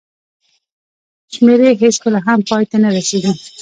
شمېرې هېڅکله هم پای ته نه رسېږي.